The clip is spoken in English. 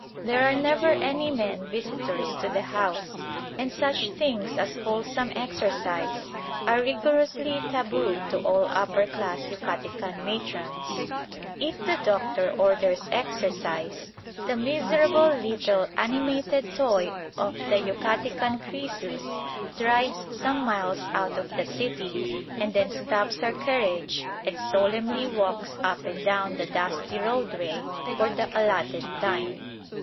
There are never any men visitors to the house, and such things as wholesome exercise are rigorously taboo to all upper class Yucatecan matrons. If the doctor orders exercise, the miserable little animated toy of the Yucatecan Croesus drives some miles out of the city, and then stops her carriage and solemnly walks up and down the dusty roadway for the allotted time.